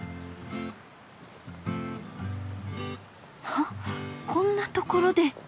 ははっこんなところで！